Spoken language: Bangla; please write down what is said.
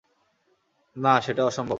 না, সেটা অসম্ভব!